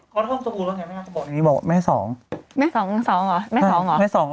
เค้าโทรธงจงกูรวงให้ไม่ได้บอกว่าไม่สอง